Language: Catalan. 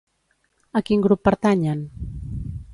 A quin grup pertanyen?